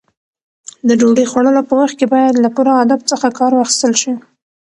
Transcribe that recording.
د ډوډۍ خوړلو په وخت کې باید له پوره ادب څخه کار واخیستل شي.